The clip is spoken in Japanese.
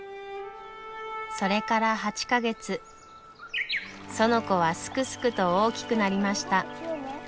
それから８か月園子はすくすくと大きくなりました。